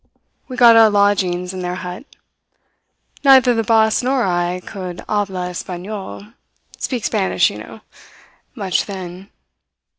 We got our lodgings in their hut. Neither the boss nor I could habla Espanol speak Spanish, you know much then.